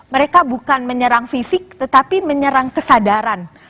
mereka bukan menyerang fisik tetapi menyerang kesadaran